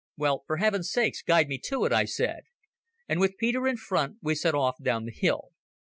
"Well, for heaven's sake, guide me to it," I said, and with Peter in front we set off down the hill.